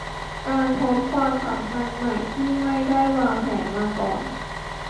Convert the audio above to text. การพบความสัมพันธ์ใหม่ที่ไม่ได้วางแผนมาก่อน